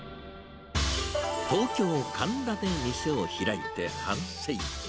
東京・神田で店を開いて半世紀。